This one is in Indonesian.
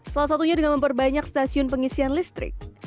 salah satunya dengan memperbanyak stasiun pengisian listrik